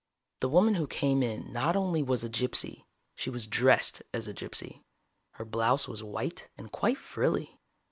The woman who came in not only was a gypsy, she was dressed as a gypsy. Her blouse was white, and quite frilly.